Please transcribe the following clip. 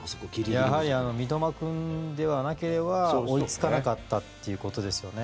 やはり三笘君でなければ追いつかなかったということですよね。